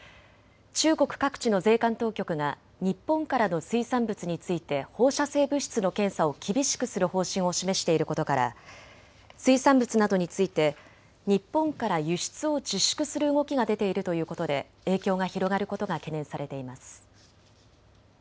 中国各地の税関当局が日本からの水産物について放射性物質の検査を厳しくする方針を示していることから水産物などについて日本から輸出を自粛する動きが出ているということで影響が広がることが懸念されています。